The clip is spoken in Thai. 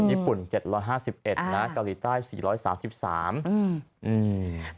โหโหดูญี่ปุ่น๗๕๑นะเกาหลีใต้๔๓๓